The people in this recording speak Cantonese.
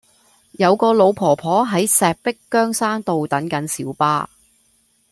有個老婆婆喺石壁羌山道等緊小巴